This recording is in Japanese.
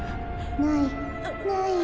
「ないない」。